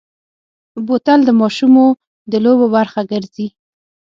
بوتل د ماشومو د لوبو برخه ګرځي.